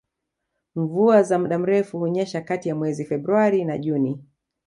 Mvua za muda mrefu hunyesha kati ya mwezi Februari na Juni